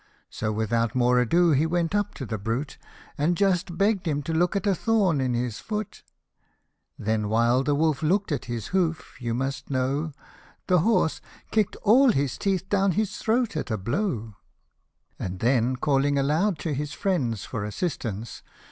So without more ado he went up to the brute, And just begg'd him to look at a thorn in his foot ; Then while the wolf look'd at his hoof, you must know, The horse kick'd all his teeth down his throat at blow. * Wolf. The Council of War. 91 And then calling aloud to his friends for assistance.